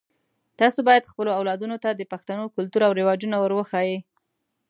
تاسو باید خپلو اولادونو ته د پښتنو کلتور او رواجونه ور وښایئ